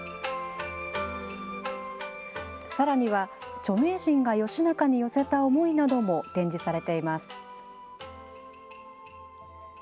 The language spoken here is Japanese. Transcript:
さらには、著名人が義仲に寄せた思いなども展示されています。